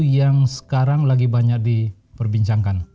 yang sekarang lagi banyak diperbincangkan